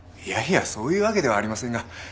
いやいやそういうわけではありませんが。